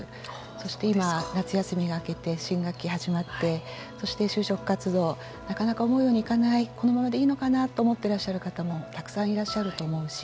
そして、今、夏休みが明けて新学期が始まって就職活動なかなか思うようにいかないこのままでいいのかなと思っていらっしゃる方もたくさんいらっしゃると思うし。